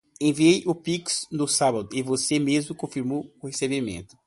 Enviei o pix no sábado e você mesmo confirmou o recebimento.